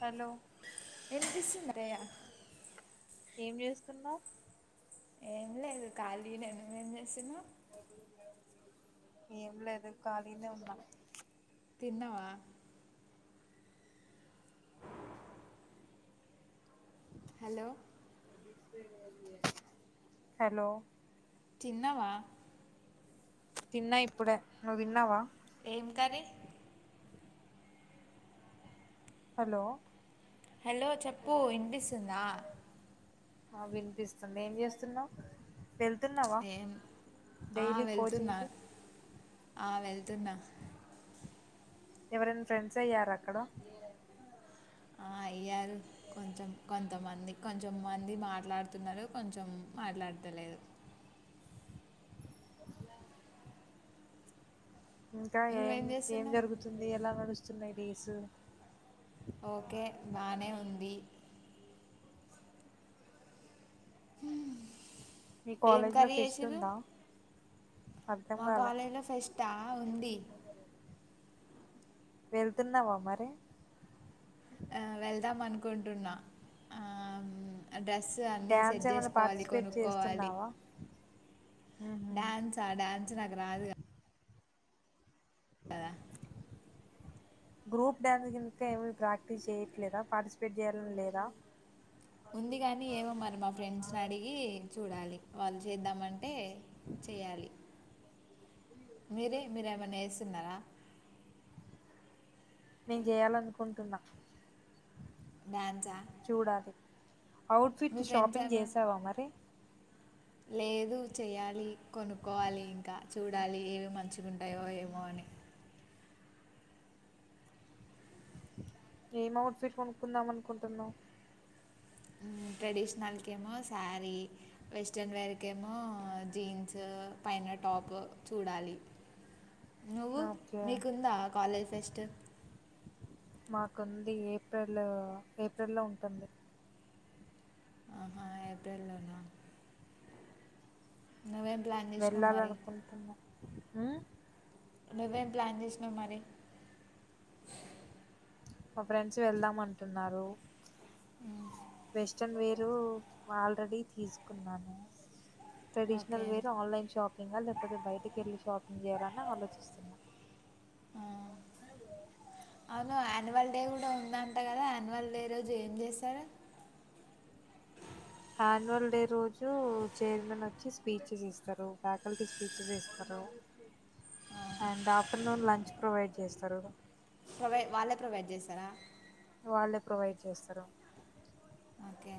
Hello వినిపిస్తుంది అత్తయ్య ఏం చేస్తున్నావు? ఏం లేదు ఖాళీ నేను ఏం చేసిన. ఎం లేదు కాలినే ఉన్నా. తిన్నావా. హలో హలో చిన్నవా తిన్నా ఇప్పుడె నువ్వు తిన్నావా? ఏం కర్రీ? హలో హలో చెప్పు ఇనిపిస్తుందా? ఆ వినిపిస్తుంది ఏం చేస్తున్నావ్? వెళ్తున్నావా ఏం ఆ, డైలీ వెళ్తున్నా కోచింగ్కి ఆ వెళ్తున్నా ఎవరైనా ఫ్రెండ్స్ అయ్యార అక్కడ ఆ, అయ్యారు కొంచెం కొంతమంది. కొంచెంమంది మాట్లాడుతున్నారు, కొంచెం మాట్లాతలేదు. ఏలా ఇంకా ఏం నువ్వేం ఏం చేస్తున్నావు జరుగుతుంది ఎలా నడుస్తు చున్నాయ్ డేసు ఓకే బానే ఉంది. మ్మ్ మీ కాలేజ్ లో ఫెస్ట్ ఉందా. అర్థం మా కాలే కాలేజీలో ఫెస్ట్ ఆ ఉంది వెళ్తున్నావా మరి ఆ వెళ్దాం అనుకుంటున్నా ఆ డ్రెస్ అన్నీ డ్యాన్స్ సెట్ ఏమైనా చేసుకోవాలి పార్టిసిపేట్ కొనుక్కోవాలి చేస్తున్నావా డాన్స్ ఆ డన్స్ నాకు రాదుగా గ్రూప్ డ్యాన్స్ కిందక ఏమి ప్రాక్టీస్ చేయట్లేదా పార్టిసిపేట్ చేయాలడం లేదా ఉంది కానీ ఏమో మరి మా ఫ్రెండ్స్ నీ అడిగి చూడాలి వాళ్ళు చేద్దామంటే చేయాలి. మీరే మీరేమైన్నా వేస్తున్నారా. నేను చెయాలనుకుంటున్నా. డాన్స్ ఆ అవుట్ ఫిట్ షాపింగ్ చేసావా మరి? లేదు చెయాలి కొనుక్కోవాలి ఇంకా చూడాలి ఏవి మంచిగాంటాయో ఏమో అని. ఏం ఔట్ ఫిట్ కొనుక్కుందాం అనుకుంటున్నావు. ట్రెడిషనల్కేమో శారీ వెస్ట్రన్ వేర్కేమో జీన్స్ పైన టాప్ చూడాలి నువ్వు ఓకే మీకుందా కాలేజ్ ఫెస్ట్ మాకుంది ఏప్రిల్ ఏప్రిల్ల్లో ఉంటుంది ఆహా ఏప్రిల్లోనా నువ్వేం ప్లాన్ చేసినావు మరి వెళ్ళాలనుకుంటున్నా ఆ నువ్వేం ప్లాన్ చేసినావు మరి మా ఫ్రెండ్స్ వెళ్దాం అంటున్నారు వెస్ట్రన్ వేరు ఆల్రెడీ తీసుకున్నాను okay traditional wear online shopping లేకపోతే బయటికి వెళ్ళి షాపింగ్ చేయాలని ఆలోచిస్తున్నా ఆ, అవును యాన్యువల్ డే కూడా ఉందంట కదా యాన్యువల్ డే రోజు ఏం చేస్తారు యాన్యువల్ డే రోజు చైర్మన్ వచ్చి స్పీచెస్ ఇస్తారు ఫ్యాకల్టీ స్పీచెస్ ఇస్తారు అండ్ ఆఫ్టర్నూన్ లంచ్ ప్రొవైడ్ చేస్తారు ప్రొవై వాళ్ళే ప్రొవైడ్ చేస్తారా వాళ్ళే ప్రొవైడ్ చేస్తారు ఓకే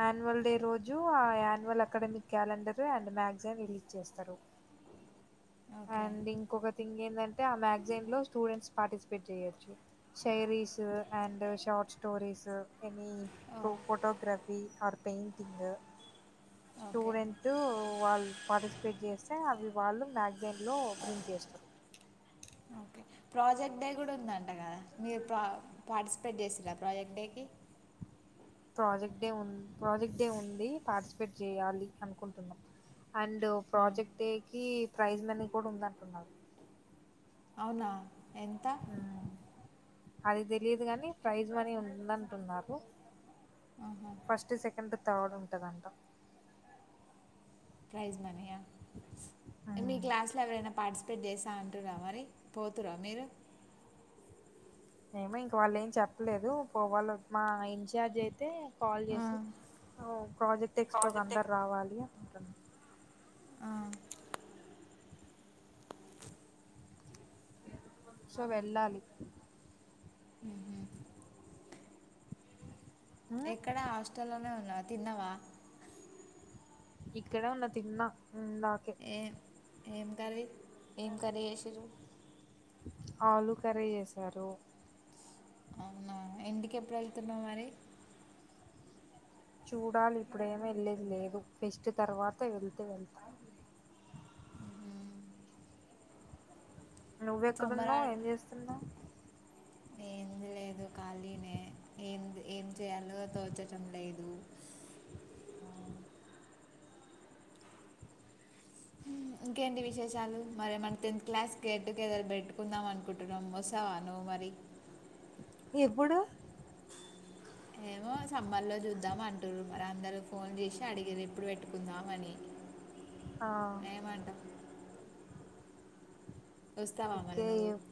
యాన్యువల్ డే రోజు ఆ annual academic calendar and magazine release చేస్తారు ఓకే అండ్ ఇంకొక థింగ్ ఏంటంటే ఆ మ్యాగ్జైన్ లో స్టూడెంట్స్ పార్టిప షీస్ చేయొచ్చు శేరష్ ఈజ్ అండ్ షార్ట్ స్టోరీస్ ఎని ఓ ప్రో photograph or painting okay student వాళ్ళు పార్టిసిపేట్ చేస్తే అవి వాళ్ళు రాజ్ న్ లో ప్రింట్ చేస్తురు ఓకే ప్రాజెక్ట్ డే కూడా ఉందం ట గా మీరు ప్రా పాార్టిసిపేట్ చేసిలా ప్రాజెక్ట్ డేకి ప్రాజెక్ట్ డే ఉ ప్రాజెక్ట్ డే ఉంది పార్టిసిపేట్ చేయాలి అనుకుంటున్నాం అండ్ ఆ, ప్రాజెక్ట్ డే కీ ప్రైజ్ మనీ కూడా ఉందంటున్నరు అవునా ఎంత అది తెలియదు గాని ప్రైజ్ మనీ ఉందంటున్నారు ఆహా. ఫస్ట్ సెకండ్ తాడ్ పెట్టదంట ప్రైజ్ మనీయా త అంటురా మరి పోతురా మీరు ఏమో ఇంక వాళ్ళు ఏం చెప్పలేదు పోవాళ్ళ మా ఇన్ఛార్జ్ అయితే కాల్ ఆ, చేసి ఒ ప్రాజెక్ట్ ఎక్స్పో అందరు రావాలి ఇంట్లన్ ఆ సో వెళ్ళాలి ఉహు ఎక్కడ హాస్టల్లో లోనే ఉన్నావా తిన్నవా ఇక్కడే ఉన్న తిన్నా ఇందాకే ఏ ఏం కర్రి ఏం కర్రి చేశిర్రు ఆలు కర్రీ చేసారు అవునా ఇంటికి ఎప్పుడు వెళ్తున్నావు మరి చూడాలి ఇప్పుడేమేళ్ళేది లేదు ఫెస్ట్ తర్వాత వెళ్తే వెళ్తా నువ్వు సమ్మర్ ఎక్కడున్నావ్ ఏం చేస్తున్నావ్ ఏం లేదు కా ఎం చేయలో తోచటం లేదు ఇంకేంటి విశేషాలు మరి మన టెన్త్ క్లాస్ గేట్టుగెదర్ పెట్టుకుందాం అనుకుంటున్నాం వస్తవా నువ్వు మరి ఎప్పుడూ ఏమో సమ్మర్ లో చూద్దాం అను కుంటురు మరి అందరూ ఫోన్ చేసి అడిగిర్రు ఎప్పుడు పెట్టుకుందామని ఆ ఎమంటవ్ మరి ఓకే నువ్వు ఎప్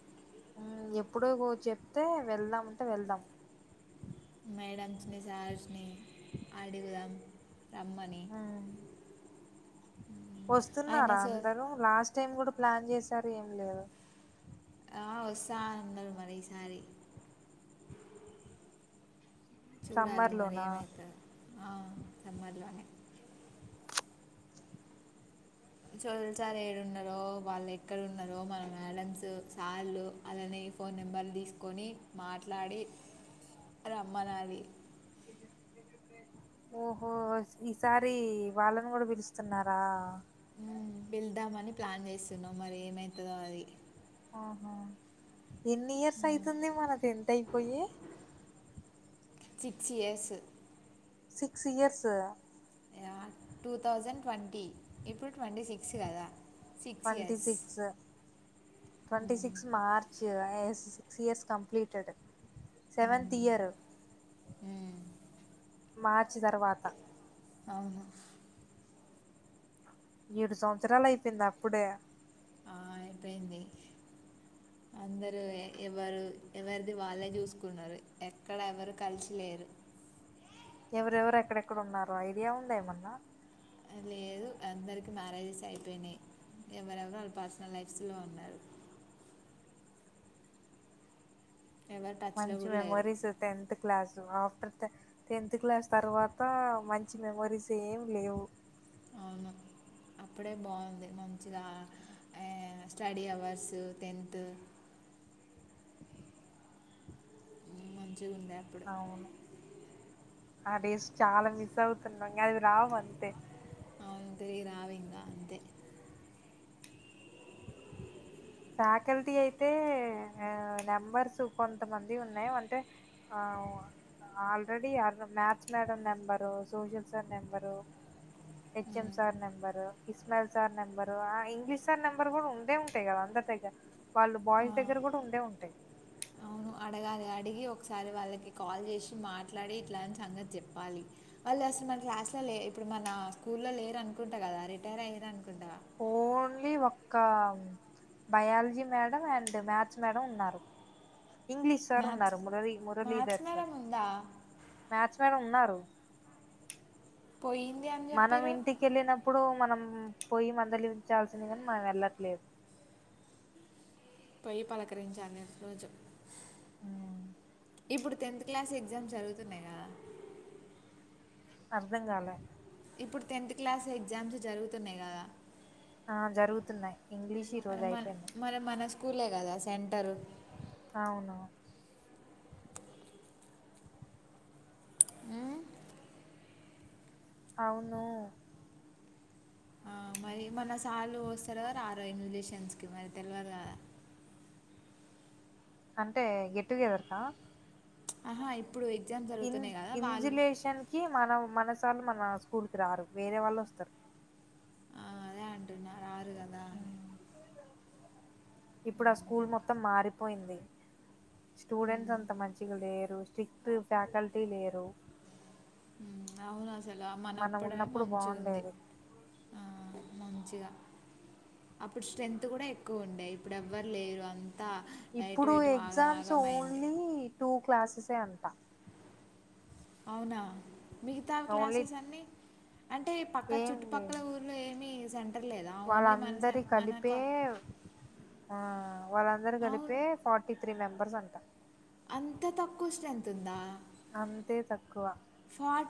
ఉమ్ ఎప్ ఎప్పుడో చెప్తే వెళ్దాం అంటే వెళ్దాం మేడమ్స్ నీ సార్స్ నీ అడుగుదాం రమ్మనీ ఉమ్. వస్తున్నారా అందరూ లాస్ట్ టైం కూడా ప్లాన్ చేసారు ఏం లేదు ఆ వస్తా అన్నారు మరి ఈసారి చూడాలి సమ్మర్ మరి లోనా ఏమయితదో అవును సమ్మర్లానె చోదల్ సార్ ఏడున్నారో వాళ్ళు ఎక్కడన్నారో మన మ్యాడమ్స్ సార్లు అలానే ఈ ఫోన్ నెంబర్లు తీసుకొని మాట్లాడి రమ్మనాలి ఓహో ఈసారి వాళ్ళను కూడా పిలుస్తున్నారా పిళ్దామని ప్లాన్ చేస్తున్నాం మరి ఏమైతాదో అది ఓహో ఎన్ని ఇయర్స్ అయితుంది మన టేంత్ అయిపోయి సిక్స్ ఇయర్స సిక్స్ ఇయర్స్ అ టూ తౌసండ్ ట్వంటీ ఇప్ twenty years six twenty six March yes six years completed seventh year hmm మార్చి తర్వాత అవును ఏడు సంవత్సరాలు అయిపోయింది అప్పుడే ఆ అయిపోయింది అందరూ ఎవరు ఎవరిది వాళ్ళే చూసుకున్నారు ఎక్కడ ఎవరు కలిసి లేరు ఎవరెవరు ఎక్కడెక్కడ ఉన్నారో ఐడియా ఉంద ఏమన్నా లేదు అందరికి మ్యారేజెస్ అయిపోయినాయి ఎవరెవరు వాళ్ళ పర్సనల్ లైఫ్స్ లో ఉన్నారు ఎవరు టచ్లో మంచి కూడా లేరు memories tenth class after tenth class తర్వాత మంచి మె మెమోరీస్ ఏమి లేవు అవును అప్పుడే బాగుంది మంచిగా ఆ స్టడీ అవర్స్ టెన్త్ మంచిగా ఉండే అప్పుడు అవును ఆ డేస్ చాలా మిస్ అవుతున్నాం అది రావు అంతే అవును తిరిగి రావింకాఅంతే ఫ్యాకల్టీ అయితే నెంబర్స్ కొంతమంది ఉన్నాయి అంటే ఆ already maths madam number social sir number HM sir number Ismail sir number English sir number కూడా ఉండే ఉంటాయి కదా అందరు దగ్గ వాళ్ళు బాయ్స్ దగ్గర గూడా ఉండే ఉంటాయి అడగా అడిగి ఒకసారి వాళ్ళకి కాల్ చేసి మాట్లాడి ఇట్లాని సంగతి చెప్పాలి వాళ్ళు అసలు మన క్లాస్ లో ఇప్పుడు మన స్కూల్లో లేరు అనుకుంటే కదా రిటైర్ అయ్యారు అను కుండా ఒక biology madam and maths madam ఉన్నారు ఇంగ్లీష్ సార్ మ్యాథ్స్ ఉన్నారు Murali maths Muralidhar sir madam ఉందా మ్యాథ్స్ మేడం ఉన్నారు పోయింది అని మనం చెప్పారు ఇంటికి వెళ్ళినప్పుడు మనం పోయి మందలించాల్సిందిగాని మనం వెళ్ళట్లేదు పొయి పలకరించాను రోజు అవును ఇప్పుడు టెన్త్ క్లాస్ ఎగ్జామ్ జరుగుతున్నాయి కదా అర్ధం కాలే ఇప్పుడు టెన్త్ క్లాస్ ఎగ్జామ్స్ జరుగుతున్నాయి కదా ఆ జరుగుతున్నాయి ఇంగ్లీష్ ఈ రోజు అవును అయిపోయింది మరి మన స్కూ స్కూలే కదా సెంటర్ అవును మ్మ్ అవును ఆ మరి మన సార్లు వస్తారు కదా రార ఇన్వ్ లేష ఫ్రెండ్స్ కి మరి తెలవదా అంటే గెట్ టుగెదర్ కా ఆహా ఇప్ప్ ఇన్ ఇన్జులేషన్ కి మనం మన స్కూ సార్లు మన స్కూలుకి రారు వేరే వాళ్ళు వస్తారు ఆ, అదే అంటున్నా రారు కదా అని ఇప్పుడు ఆ స్కూల్ మొత్తం మారిపోయింది స్టూడెంట్స్ ఉమ్, అంత మంచిగా లేేరు స్క్రిక్ట్ ఫ్యాకల్టీ లేరు అవును అసలు మనం మనప్పుడే ఉన్నప్పుడు మంచిగా ఉంది బాగుండేది మంచిగా అప్పుడు స్ట్రెంత్ కూడా ఎక్కువ ఉండే ఇప్పుడు ఎవ్వరు లేరు ఎటు ఇప్పుడు ఎటు ఆగం ఎగ్జామ్స్ ఆగం అయింది ఓన్లీ టూ క్లాసెసే అం ంటా అవునా మిగతా ఓన్లీ క్లాసెస్ అన్ని అంటే పక్క చుట్టుపక్కల ఊర్లో ఏమి వాళ్ళందరు కలిపే కా- ఆ వాళ్ళందరు అవును కలిపే ఫార్టీ త్రీ మెంబర్ బర్స్ అంటా అంత తక్కువ స్ట్రెంత్ ఉందా అంతే తక్కువ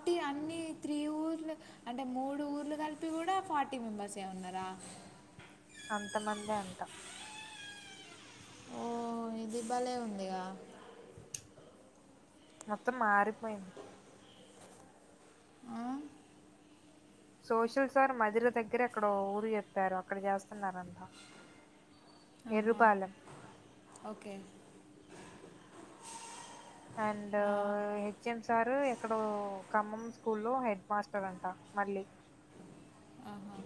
ఫార్టీ అన్ని త్రీ ఊర్లు అంటే మూడు ఊర్లు కలిపి కూడా ఫార్టీ మెంబర్స్ఏ ఉన్నారా అంత మందే అంట ఓ ఇది భలే ఉందిగా మొత్తం మారిపోయింది ఆ? సోషల్ సార్ మదిరి దగ్గర ఏక్కడో ఊరు చెప్పారు అక్కడ చేస్తున్నారంట ఆహా ఎర్రుపాలెం ఓకే అండ్ ఆ, హెచ్. ఎం సారు ఎక్కడో ఖమ్మం స్కూల్ లో హెడ్ మాస్టర్ అంట. మళ్ళీ ఆహా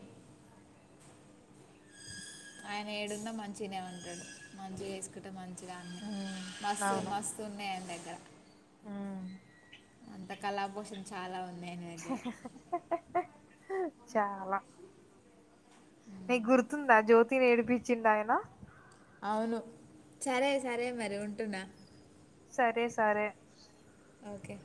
ఆయన ఏడున్నా మంచినే ఉంటాడు. మంచిగా చేసుకుంటే మంచ్ చిగన్నె మ్మ్ మస్తు మస్తు ఉన్నాయందగ్ గరా ఆ అంత కళాపోషన చాలా ఉంద్ చ్ చాలా నిక్ గుర్తుందా జ్యోత్ తీన్ ఏడిపించిండాయన అవును సరే సరే మరి ఉంటున్నా. సరే సరే ఓకే